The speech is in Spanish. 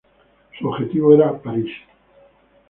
Su objetivo era París.